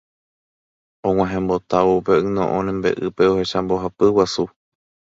Og̃uahẽmbotávo upe yno'õ rembe'ýpe ohecha mbohapy guasu.